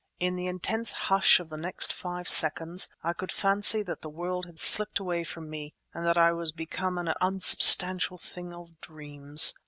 In the intense hush of the next five seconds I could fancy that the world had slipped away from me and that I was become an unsubstantial thing of dreams.